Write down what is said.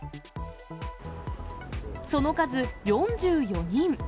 その数、４４人。